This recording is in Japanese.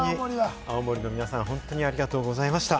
青森の皆さん、本当にありがとうございました。